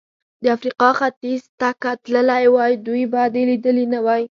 د افریقا ختیځ ته که تللی وای، دوی به دې لیدلي وای.